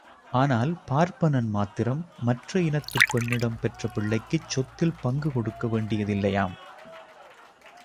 ஆனால் பார்ப்பனன் மாத்திரம், மற்ற இனத்துப் பெண்ணிடம் பெற்ற பிள்ளைக்குச் சொத்தில் பங்கு கொடுக்க வேண்டியதில்லையாம்.